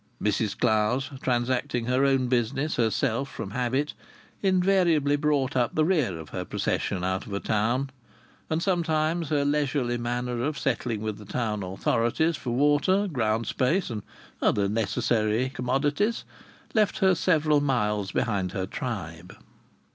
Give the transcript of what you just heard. Mrs Clowes, transacting her own business herself, from habit, invariably brought up the rear of her procession out of a town; and sometimes her leisurely manner of settling with the town authorities for water, ground space and other necessary com modities, left her several miles behind her tribe.